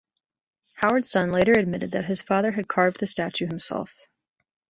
Howard's son later admitted that his father had carved the statue himself.